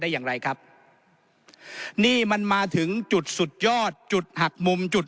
อย่างไรครับนี่มันมาถึงจุดสุดยอดจุดหักมุมจุด